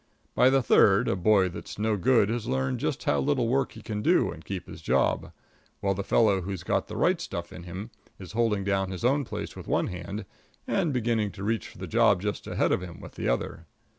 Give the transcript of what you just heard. By the third, a boy that's no good has learned just how little work he can do and keep his job; while the fellow who's got the right stuff in him is holding down his own place with one hand and beginning to reach for the job just ahead of him with the other.